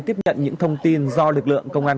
tiếp nhận những thông tin do lực lượng công an